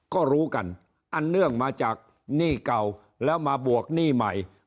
ก็รู้กันอันเนื่องมาจากหนี้เก่าแล้วมาบวกหนี้ใหม่